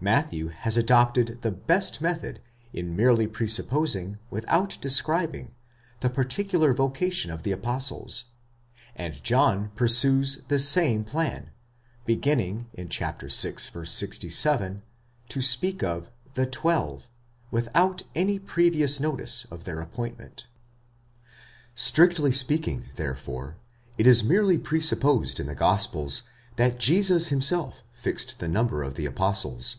Matthew has adopted the best method in merely 'presupposing, without describing, the particular vocation of the apostles ; and John pursues the same plan, beginning (vi. 67) to speak of the twelve, without any previous notice of their appointment. Strictly speaking, therefore, it is merely presupposed in the gospels, that 'Jesus himself fixed the number of the apostles.